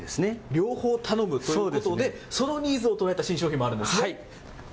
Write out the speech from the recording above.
両方頼むということで、そのニーズを捉えた新商品もあるんですね。